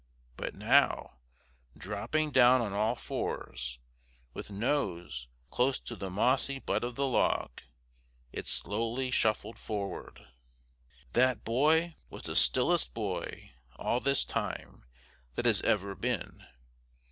But now, dropping down on all fours, with nose close to the mossy butt of the log, it slowly shuffled forward. That boy was the stillest boy, all this time, that has ever been.